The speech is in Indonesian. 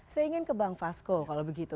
saya ingin ke bang fasko kalau begitu